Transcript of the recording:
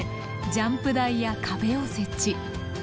ジャンプ台や壁を設置。